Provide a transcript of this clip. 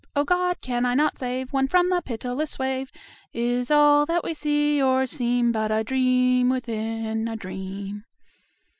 O God! can I not save One from the pitiless wave? Is all that we see or seem But a dream within a dream?